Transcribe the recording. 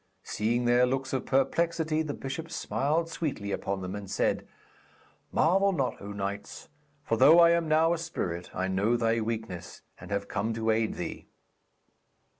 Seeing their looks of perplexity, the bishop smiled sweetly upon them, and said: 'Marvel not, O knights, for though I am now a spirit, I know thy weakness, and have come to aid thee.'